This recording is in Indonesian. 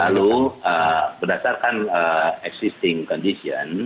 lalu berdasarkan existing condition